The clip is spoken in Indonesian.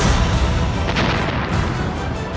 ini mah aneh